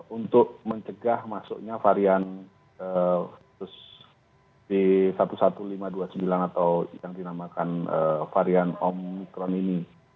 untuk mencegah masuknya varian b satu satu lima ratus dua puluh sembilan atau yang dinamakan varian omikron ini